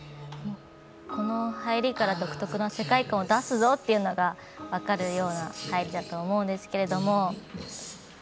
この入りから独特な世界観を出すぞというのが分かるような入りだと思うんですけれども。